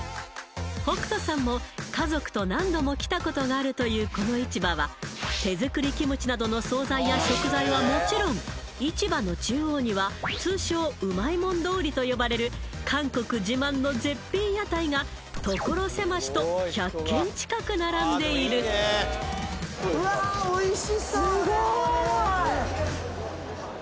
北斗さんも家族と何度も来たことがあるというこの市場は手作りキムチなどの惣菜や食材はもちろん市場の中央には通称うまいもん通りと呼ばれる韓国自慢の絶品屋台が所狭しと１００軒近く並んでいるすごい！